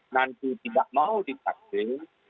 nanti tidak mau di vaksin